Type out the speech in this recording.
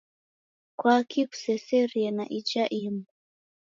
Kwaki kuseserie na ija imu